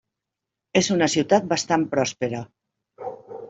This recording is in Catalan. És una ciutat bastant pròspera.